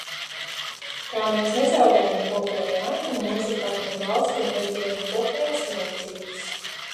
Tā mēs nezaudējam kopējo ainu un mūsu partnervalstu un reģionu kopējās vajadzības.